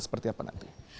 seperti apa nanti